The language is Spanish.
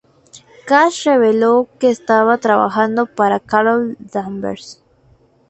Cash reveló que estaba trabajando para Carol Danvers.